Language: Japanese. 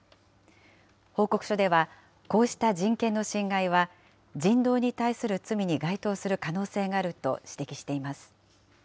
報告書では、こうした人権の侵害は人道に対する罪に該当する可能性があると指摘しています。